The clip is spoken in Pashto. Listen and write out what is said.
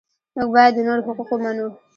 موږ باید د نورو حقوق ومنو.